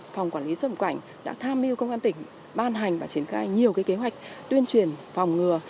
phòng quản lý xuất nhập cảnh đã tham mưu công an tỉnh ban hành và triển khai nhiều kế hoạch tuyên truyền phòng ngừa